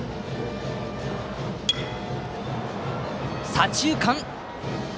左中間へ！